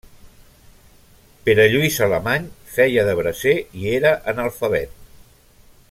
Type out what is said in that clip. Pere Lluís Alemany feia de bracer i era analfabet.